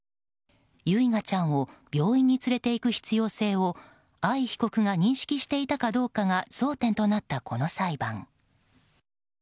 唯雅ちゃんを病院に連れていく必要性を藍被告が認識していたかどうかが争点となったこの裁判。